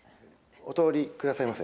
お取りくださいませ？